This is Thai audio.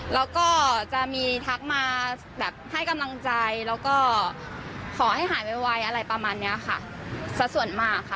แล้วก็จะมีทักมาแบบให้กำลังใจแล้วก็ขอให้หายไวอะไรประมาณนี้ค่ะสักส่วนมากค่ะ